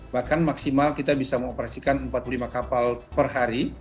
bahkan maksimal kita bisa mengoperasikan empat puluh lima kapal per hari